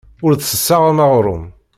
Ur d-tessaɣem aɣrum.